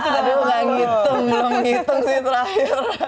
tidak ada yang ngitung belum ngitung sih terakhir